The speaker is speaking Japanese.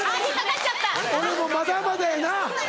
俺もまだまだやな。